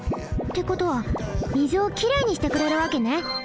ってことは水をきれいにしてくれるわけね。